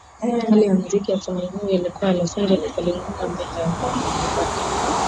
hali ya muziki wa sehemu hiyo Alipokuwa Los Angeles aliungana na mbia mwenzake